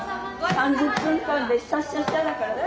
３０分間でシャッシャッシャッだからさ。